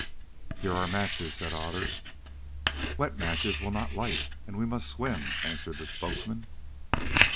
"Here are matches," said Otter. "Wet matches will not light, and we must swim," answered the spokesman.